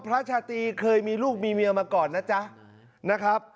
พระชาตรีเคยมีลูกมีเมียมาก่อนนะจ๊ะนะครับ